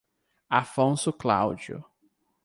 Afonso Cláudio